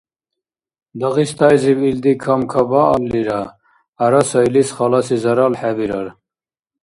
Дагъистайзиб илди камкабааллира, ГӀярасайлис халаси зарал хӀебирар…